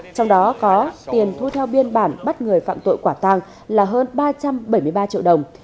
trong đó có tiền thu theo biên bản bắt người phạm tội quả tăng là hơn ba trăm bảy mươi ba triệu đồng